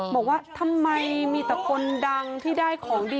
บอกว่าทำไมมีแต่คนดังที่ได้ของดี